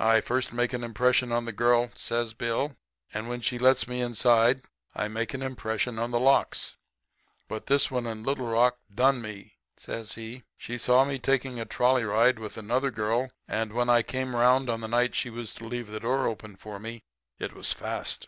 I first make an impression on the girl,' says Bill, 'and when she lets me inside I make an impression on the locks. But this one in Little Rock done me,' says he. 'She saw me taking a trolley ride with another girl, and when I came 'round on the night she was to leave the door open for me it was fast.